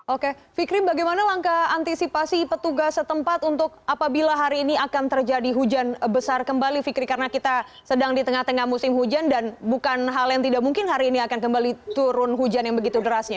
oke fikrim bagaimana langkah antisipasi petugas setempat untuk apabila hari ini akan terjadi hujan besar kembali fikri karena kita sedang di tengah tengah musim hujan dan bukan hal yang tidak mungkin hari ini akan kembali turun hujan yang begitu derasnya